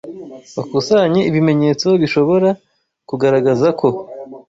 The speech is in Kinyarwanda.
bakusanye ibimenyetso bishobora kugaragaza ko